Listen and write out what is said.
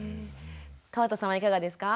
川田さんはいかがですか？